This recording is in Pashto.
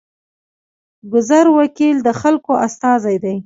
ګذر وکیل د خلکو استازی دی